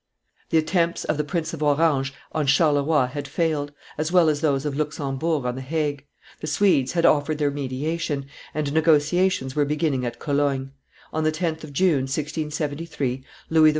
The attempts of the Prince of Orange on Charleroi had failed, as well as those of Luxembourg on the Hague; the Swedes had offered their mediation, and negotiations were beginning at Cologne; on the 10th of June, 1673, Louis XIV.